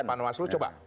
mas pan waslu coba